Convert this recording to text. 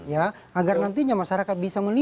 ya agar nantinya masyarakat bisa melihat